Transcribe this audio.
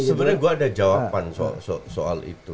sebenarnya gue ada jawaban soal itu